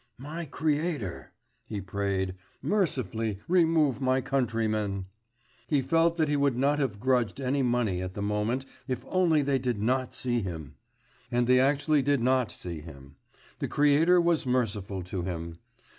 'My Creator!' he prayed, 'mercifully remove my countrymen!' He felt that he would not have grudged any money at the moment if only they did not see him.... And they actually did not see him: the Creator was merciful to him.